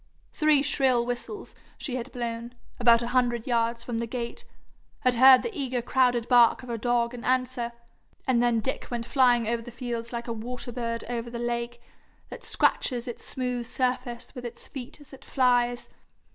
Three shrill whistles she had blown, about a hundred yards from the gate, had heard the eager crowded bark of her dog in answer, and then Dick went flying over the fields like a water bird over the lake, that scratches its smooth surface with its feet as it flies.